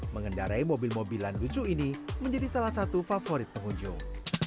mengendarai mobil mobilan lucu ini menjadi salah satu favorit pengunjung